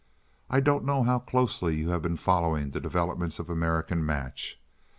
I don't know how closely you have been following the developments of American Match.